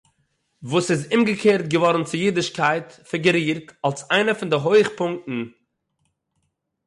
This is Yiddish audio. וואָס איז אומגעקערט געוואָרן צו אידישקייט פיגורירט אַלס איינע פון די הויכפּונקטן